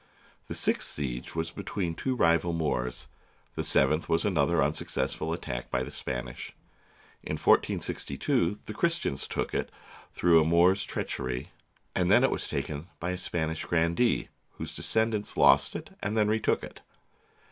The sixth siege was between two rival Moors ; the seventh was another unsuccessful attack by the Spanish. In 1462 the Christians took it through a Moor's treachery, and then it was taken by a Spanish grandee, whose descendants lost it and then retook it.